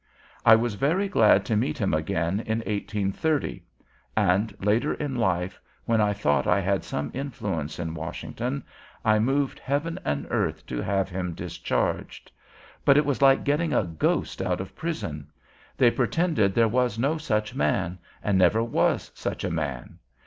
I was very glad to meet him again in 1830; and later in life, when I thought I had some influence in Washington, I moved heaven and earth to have him discharged. But it was like getting a ghost out of prison. They pretended there was no such man, and never was such a man.